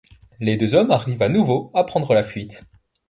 Les deux hommes arrivent à nouveau à prendre la fuite.